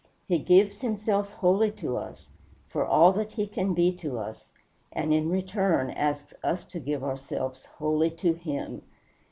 He gives himself wholly to us, for all that he can be to us, and in return asks us to give ourselves wholly to him.